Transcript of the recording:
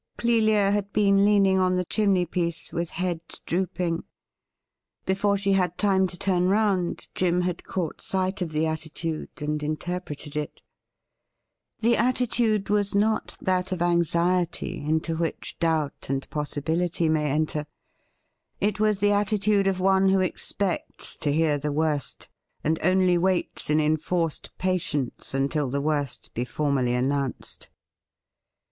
Clelia had been leaning on the chimney piece with head drooping. Before she had time to tui n round, Jim had caught sight of the attitude and interpreted it. The attitude was not that of anxiety, into which doubt *WHAT IS TO BE Done first?* s79 and possibility may enter. It was the attitude of one who expects to hear the worst, and only waits in enforced patience until the worst be formally annoimced.